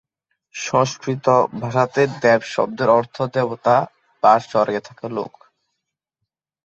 সংস্কৃত ভাষাতে 'দেব' শব্দের অর্থ দেবতা বা স্বর্গে থাকা লোক।